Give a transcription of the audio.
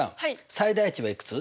最大値はいくつ？